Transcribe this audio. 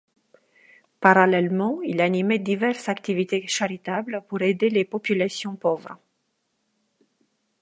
Parallèlement, il animait diverses activités charitables pour aider les populations pauvres.